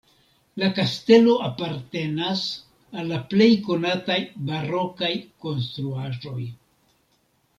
La kastelo apartenas al la plej konataj barokaj konstruaĵoj.